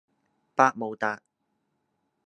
百慕達